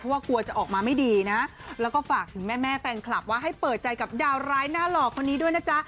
ว่ากลัวจะออกมาไม่ดีนะแล้วก็ฝากถึงแม่แฟนคลับว่าให้เปิดใจกับดาวร้ายหน้าหล่อคนนี้ด้วยนะจ๊ะ